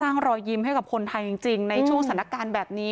รอยยิ้มให้กับคนไทยจริงในช่วงสถานการณ์แบบนี้